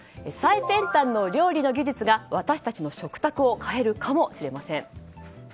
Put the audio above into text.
最先端の料理の技術が私たちの食卓を変えるかもしれません。